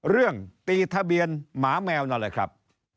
เรื่องตีทะเบียนหมาแมวนั่นแหละครับ